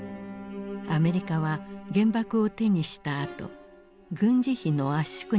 アメリカは原爆を手にしたあと軍事費の圧縮に努めていた。